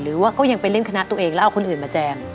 ก็ยังไปเล่นคณะตัวเองแล้วเอาคนอื่นมาแจง